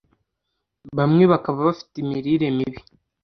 bamwe bakaba bafite imirire mibi